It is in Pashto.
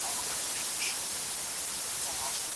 مړ سړي په ډګر کي ږدن او اتڼ خوښ کړي وو.